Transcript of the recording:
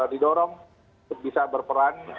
didorong bisa berperan